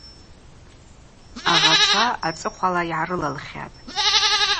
Агъачва, ацӏыхъвала йгӏарылалхьатӏ.